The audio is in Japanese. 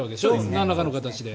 なんらかの形で。